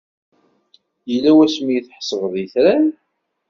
Yella wasmi ay tḥesbed itran?